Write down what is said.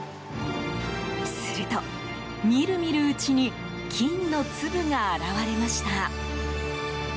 すると、みるみるうちに金の粒が現れました。